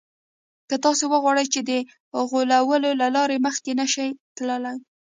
که تاسې وغواړئ هم د غولولو له لارې مخکې نه شئ تللای.